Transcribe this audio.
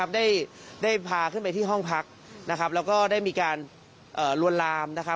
ได้พาขึ้นไปที่ห้องพักแล้วก็ได้มีการลวนลาม